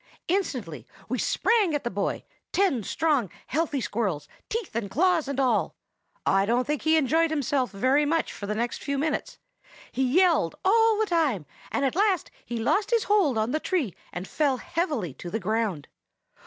"Instantly we sprang at the boy, ten strong, healthy squirrels, teeth and claws and all. I don't think he enjoyed himself very much for the next few minutes. He yelled all the time, and at last he lost his hold on the tree, and fell heavily to the ground.